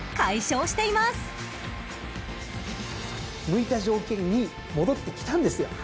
向いた条件に戻ってきたんですよ。